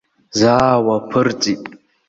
Заа уаԥырҵит.